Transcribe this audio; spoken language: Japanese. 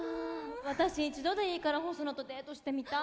私一度でいいからホソノとデートしてみたい！